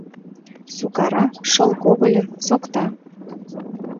Сукара, шыл когыльо, сокта...